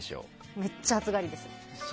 めっちゃ暑がりです。